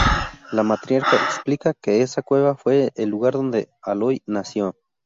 La matriarca explica que esa cueva fue el lugar donde Aloy nació.